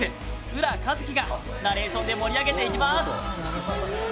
浦和希がナレーションで盛り上げていきます！